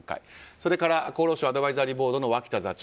それから厚生労働省アドバイザリーボード脇田座長。